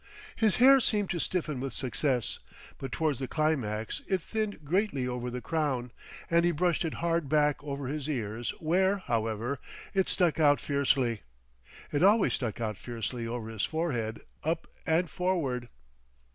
His hair seemed to stiffen with success, but towards the climax it thinned greatly over the crown, and he brushed it hard back over his ears where, however, it stuck out fiercely. It always stuck out fiercely over his forehead, up and forward.